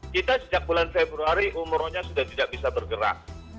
kita sejak bulan februari umrohnya sudah tidak bisa bergerak